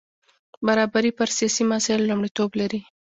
برابري پر سیاسي مسایلو لومړیتوب لري.